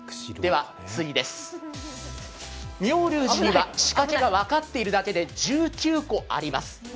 次です、妙立寺には仕掛けが分かっているだけで１９個あります。